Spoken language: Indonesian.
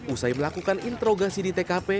usai melakukan interogasi di tkp